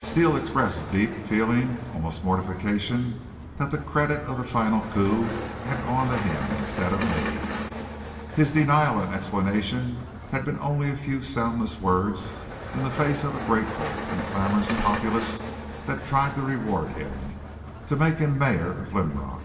Steele expressed deep feeling, almost mortification, that the credit of that final coup had gone to him, instead of me. His denial and explanation had been only a few soundless words in the face of a grateful and clamorous populace that tried to reward him, to make him mayor of Linrock.